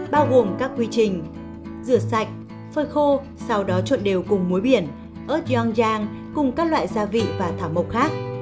bao gồm các quy trình rửa sạch phơi khô sau đó trộn đều cùng muối biển ớt yong giang cùng các loại gia vị và thảo mộc khác